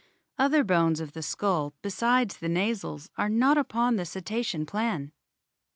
Other bones of the skull besides the nasals are not upon the Cetacean plan.